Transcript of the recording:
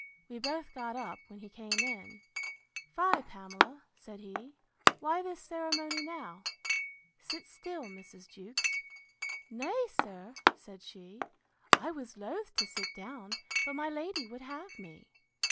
We both got up, when he came in: Fie, Pamela! said he; why this ceremony now?—Sit still, Mrs. Jewkes.—Nay, sir, said she, I was loath to sit down; but my lady would have me.